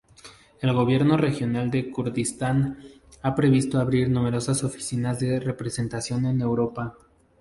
El Gobierno Regional de Kurdistán ha previsto abrir numerosas oficinas de representación en Europa.